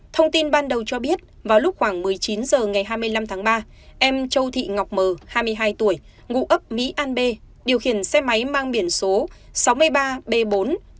thông tin ban đầu cho biết vào lúc khoảng một mươi chín h ngày hai mươi năm tháng ba em châu thị ngọc m hai mươi hai tuổi ngụ ấp mỹ an b điều khiển xe máy mang biển số sáu mươi ba b bốn trăm tám mươi nghìn bốn trăm ba mươi bảy